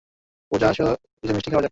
পূজা, আসো কিছু মিষ্টি খাওয়া যাক।